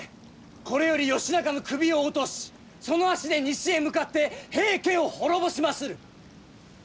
これより義仲の首を落としその足で西へ向かって平家を滅ぼしまする！